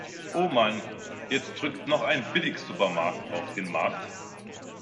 Oh Mann, jetzt drückt noch ein Billigsupermarkt auf den Markt.